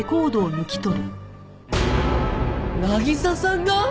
渚さんが！？